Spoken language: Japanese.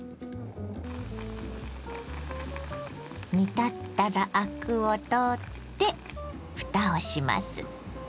煮立ったらアクを取ってふたをします。